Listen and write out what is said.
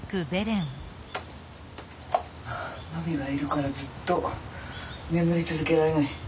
ああマミがいるからずっと眠り続けられない。